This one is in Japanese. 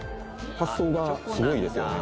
発想がすごいですよね